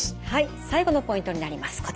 はい最後のポイントになります。